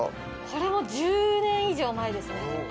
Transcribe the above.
これも１０年以上前ですね。